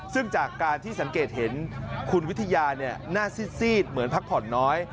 ซึ่งจากการที่สังเกตเห็นคุณวิทยาหน้าซีดเหมือนพักผ่อนน้อย